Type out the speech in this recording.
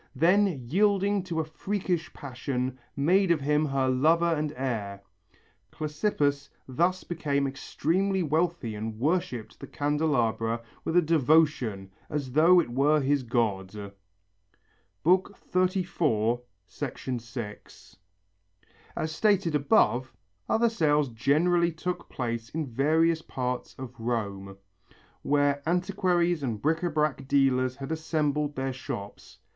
Then yielding to a freakish passion, made of him her lover and heir. Clesippus thus became extremely wealthy and worshipped the candelabra with a devotion as though it were his god" (XXXIV, 6). As stated above, other sales generally took place in various parts of Rome where antiquaries and bric à brac dealers had assembled their shops.